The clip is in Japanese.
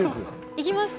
いきます。